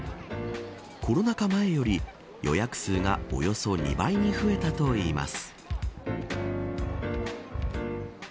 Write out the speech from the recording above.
コロナ禍前より予約数がおよそ２倍に増えたといいます。